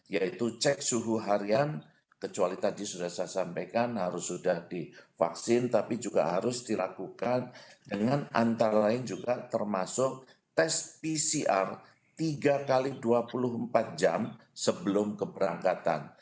yaitu cek suhu harian kecuali tadi sudah saya sampaikan harus sudah divaksin tapi juga harus dilakukan dengan antara lain juga termasuk tes pcr tiga x dua puluh empat jam sebelum keberangkatan